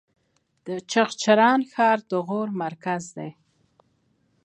د چغچران ښار د غور مرکز دی